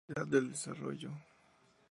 Universidad del Desarrollo.